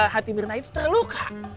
hati birna itu terluka